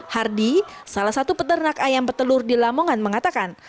hardy salah satu peternak ayam petelur di lamongan mengatakan